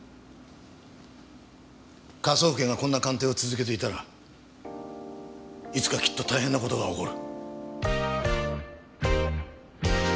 科捜研がこんな鑑定を続けていたらいつかきっと大変な事が起こる。